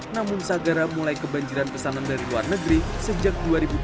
namun sagara mulai kebanjiran pesanan dari luar negeri sejak dua ribu dua belas